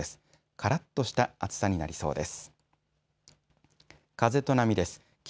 からっとした暑さになりそうです。